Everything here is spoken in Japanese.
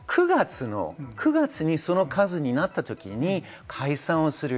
９月にその数になった時に解散をする。